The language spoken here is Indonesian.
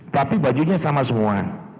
tapi bajunya sama semua